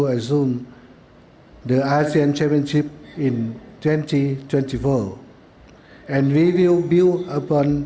dan kita akan membangun kemampuan asean yang dilakukan